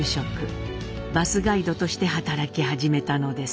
バスガイドとして働き始めたのです。